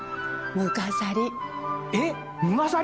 むがさり？